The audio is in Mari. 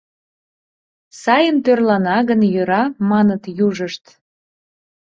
Сайын тӧрлана гын йӧра, — маныт южышт.